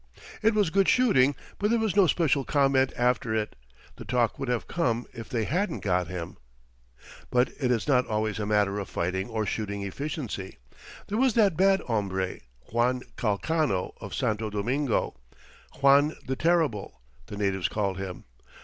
It was good shooting; but there was no special comment after it. The talk would have come if they hadn't got him. But it is not always a matter of fighting or shooting efficiency. There was that bad hombre, Juan Calcano of Santo Domingo Juan the Terrible, the natives called him.